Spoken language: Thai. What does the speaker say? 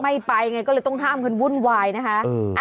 ไม่ไปไงก็เลยต้องห้ามกันวุ่นวายนะคะ